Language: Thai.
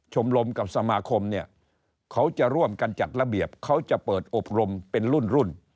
ชมรมกับสมาคมเนี่ยเขาจะร่วมกันจัดระเบียบเขาจะเปิดอบรมเป็นรุ่น